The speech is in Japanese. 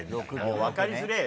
分かりづれえよ。